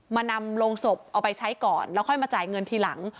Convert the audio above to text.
นำโรงศพเอาไปใช้ก่อนแล้วค่อยมาจ่ายเงินทีหลัง